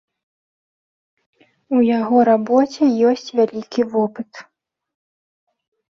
У яго рабоце ёсць вялікі вопыт.